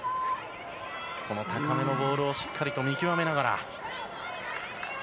この高めのボールをしっかりと見極めながら。